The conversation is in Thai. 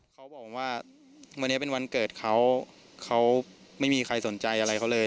เขาบอกว่าวันนี้เป็นวันเกิดเขาเขาไม่มีใครสนใจอะไรเขาเลย